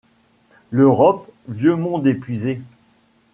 L'Europe, vieux monde épuisé.